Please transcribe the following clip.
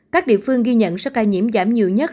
các địa phương ghi nhận số ca nhiễm giảm nhiều nhất